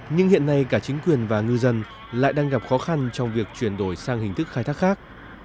nhưng hiện nay cả chính quyền và ngư dân lại đang gặp khó khăn trong việc chuyển đổi sang hình thức khai thác khác